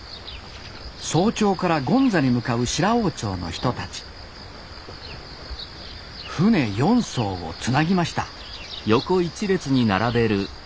早朝から権座に向かう白王町の人たち船４そうをつなぎました